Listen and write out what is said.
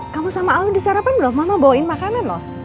kamu sama allah disarapan belum mama bawain makanan loh